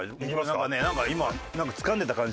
なんかねなんか今つかんでた感じ。